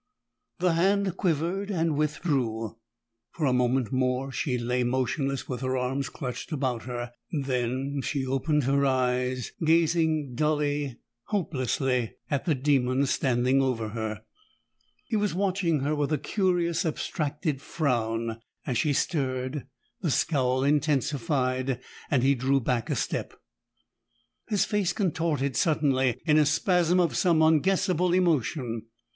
The hand quivered and withdrew. For a moment more she lay motionless with her arms clutched about her, then she opened her eyes, gazing dully, hopelessly at the demon standing over her. He was watching her with a curious abstracted frown; as she stirred, the scowl intensified, and he drew back a step. His face contorted suddenly in a spasm of some unguessable emotion.